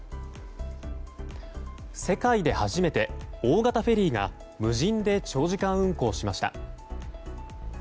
世界で初めて大型フェリーが無人で長時間運航しました。